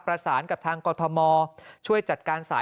กรุงเทพฯมหานครทำไปแล้วนะครับ